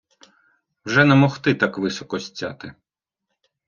Вже не могти так високо сцяти